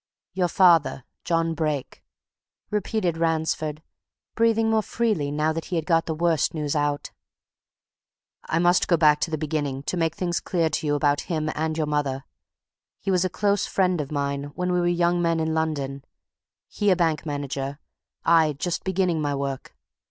"Your father John Brake," repeated Ransford, breathing more freely now that he had got the worst news out. "I must go back to the beginning to make things clear to you about him and your mother. He was a close friend of mine when we were young men in London; he a bank manager; I, just beginning my work.